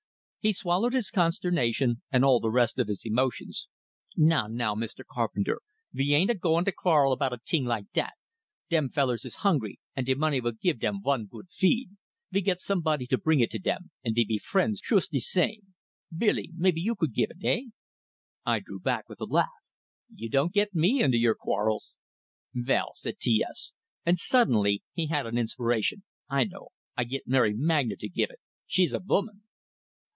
He swallowed his consternation, and all the rest of his emotions. "Now, now, Mr. Carpenter! Ve ain't a goin' to quarrel about a ting like dat. Dem fellers is hungry, and de money vill give dem vun good feed. Ve git somebody to bring it to dem, and we be friends shoost de same. Billy, maybe you could give it, hey?" I drew back with a laugh. "You don't get me into your quarrels!" "Vell," said T S and suddenly he had an inspiration. "I know. I git Mary Magna to give it! She's a voman!"